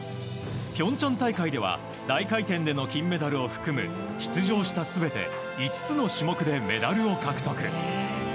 平昌大会では大回転での金メダルを含む出場した全て５つの種目でメダルを獲得。